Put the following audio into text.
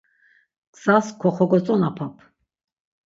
Gzas koxogotzonapap.